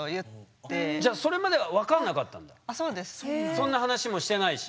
そんな話もしてないし。